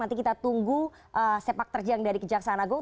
nanti kita tunggu sepak terjang dari kejaksaan agung